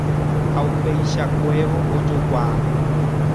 Ha upeichakuévo ojokuaa.